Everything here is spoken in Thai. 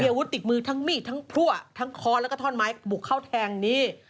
อาวุธติดมือทั้งมีดทั้งพลั่วทั้งค้อแล้วก็ท่อนไม้บุกเข้าแทงนี่